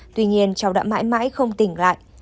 tuy nhiên cháu đã mãi mãi không tỉnh lại